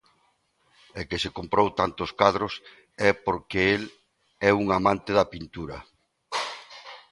E que se comprou tantos cadros é porque el é un amante da pintura.